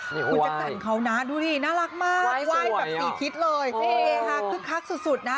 นี่คุณแจ๊คสันเขาน่ะดูสิน่ารักมากว้ายแบบ๔คิดเลยคือคักสุดนะ